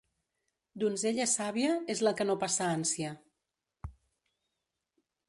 Donzella sàvia és la que no passa ànsia.